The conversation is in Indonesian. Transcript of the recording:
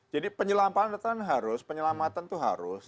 jadi penyelamatan itu harus